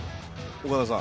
岡田さん。